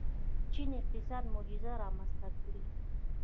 چین اقتصادي معجزه رامنځته کړې.